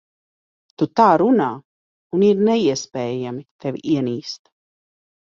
Tu tā runā, un ir neiespējami tevi ienīst.